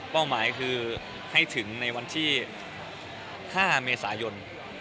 หมายคือให้ถึงในวันที่๕เมษายน